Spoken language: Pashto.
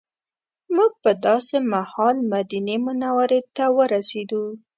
موږ په داسې مهال مدینې منورې ته ورسېدو.